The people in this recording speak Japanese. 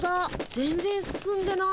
全ぜん進んでない。